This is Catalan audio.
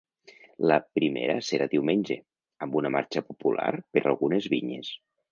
La primera serà diumenge, amb una marxa popular per algunes vinyes.